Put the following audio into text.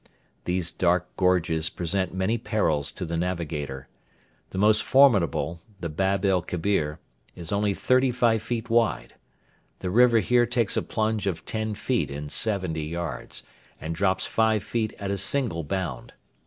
These dark gorges present many perils to the navigator. The most formidable, the Bab el Kebir, is only thirty five feet wide. The river here takes a plunge of ten feet in seventy yards, and drops five feet at a single bound.